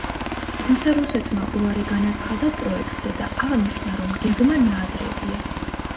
თუმცა რუსეთმა უარი განაცხადა პროექტზე და აღნიშნა, რომ გეგმა ნაადრევია.